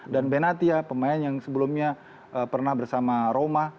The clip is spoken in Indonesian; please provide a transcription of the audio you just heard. dan benazia pemain yang sebelumnya pernah bersama roma